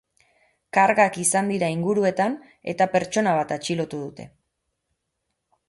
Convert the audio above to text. Kargak izan dira inguruetan eta pertsona bat atxilotu dute.